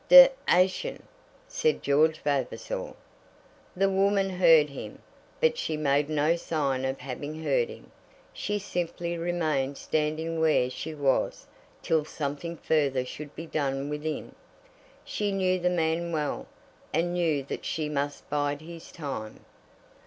"D ation!" said George Vavasor. The woman heard him, but she made no sign of having heard him. She simply remained standing where she was till something further should be done within. She knew the man well, and knew that she must bide his time.